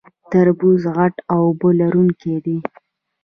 تربوز غټ او اوبه لرونکی دی